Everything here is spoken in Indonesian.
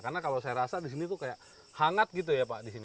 karena kalau saya rasa disini tuh kayak hangat gitu ya pak disini